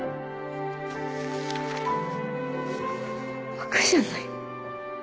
バカじゃないの？